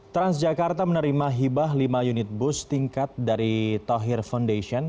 transjakarta menerima hibah lima unit bus tingkat dari tohir foundation